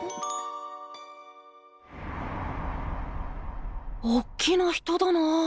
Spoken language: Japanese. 心の声おっきな人だなあ。